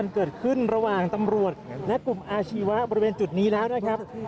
เกิดขึ้นระหว่างตำรวจและกลุ่มอาชีวะบริเวณจุดนี้แล้วนะครับ